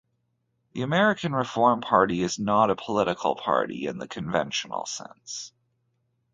The American Reform Party is not a political party in the conventional sense.